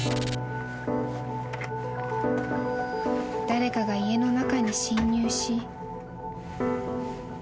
［誰かが家の中に侵入し］